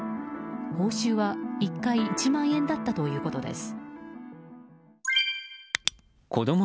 報酬は１回１万円だったということです。